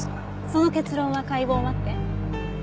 その結論は解剖を待って。